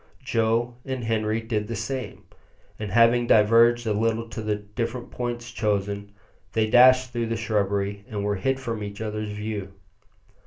Joe and Henri did the same, and having diverged a little to the different points chosen, they dashed through the shrubbery and were hid from each other's view.